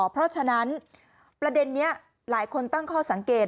เพราะฉะนั้นประเด็นนี้หลายคนตั้งข้อสังเกต